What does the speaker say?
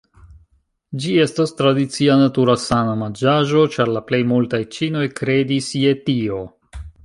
Ĝi estas tradicia natura sana manĝaĵo ĉar la plej multaj ĉinoj kredis je tio.